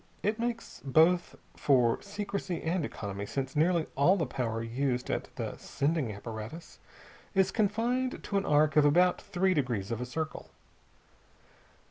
It makes both for secrecy and economy, since nearly all the power used at the sending apparatus is confined to an arc of about three degrees of a circle.